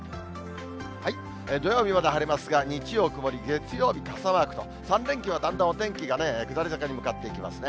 土曜日まで晴れますが、日曜、曇り、月曜日傘マークと、３連休はだんだんお天気が下り坂に向かっていきますね。